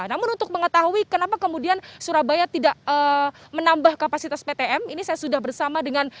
namun untuk mengetahui kenapa kemudian surabaya tidak menambah kapasitas ptm ini saya sudah bersama dengan